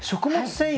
繊維